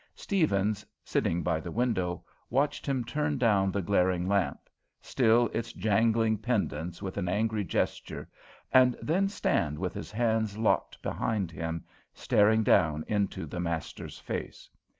Steavens, sitting by the window, watched him turn down the glaring lamp, still its jangling pendants with an angry gesture, and then stand with his hands locked behind him, staring down into the master's face.